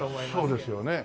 そうですよね。